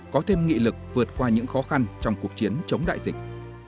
có thêm nghị lực vượt qua những khó khăn trong cuộc chiến chống đại dịch